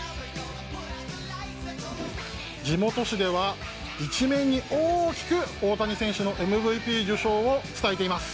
地元紙では、１面に大きく大谷選手のＭＶＰ受賞を伝えています。